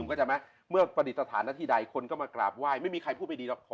เข้าใจไหมเมื่อประดิษฐานหน้าที่ใดคนก็มากราบไหว้ไม่มีใครพูดไม่ดีหรอก